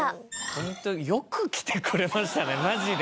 本当よく来てくれましたねマジで。